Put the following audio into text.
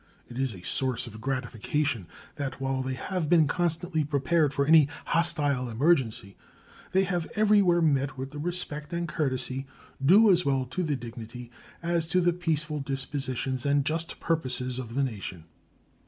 It is a source of gratification that, while they have been constantly prepared for any hostile emergency, they have everywhere met with the respect and courtesy due as well to the dignity as to the peaceful dispositions and just purposes of the nation.